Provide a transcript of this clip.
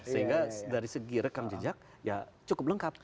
sehingga dari segi rekam jejak ya cukup lengkap